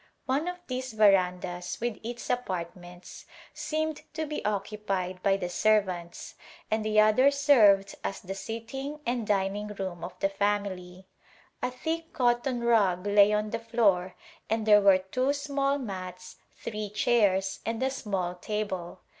One of these verandas, with its apartments, seemed to be occupied by the servants, and the other served as the sitting and dining room of the family. A thick cotton rug lay on the floor and there were two small mats, three chairs, and a small table.